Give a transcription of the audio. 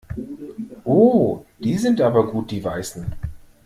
Oh, die sind aber gut die Weißen.